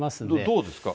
どうですか？